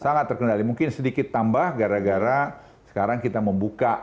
sangat terkendali mungkin sedikit tambah gara gara sekarang kita membuka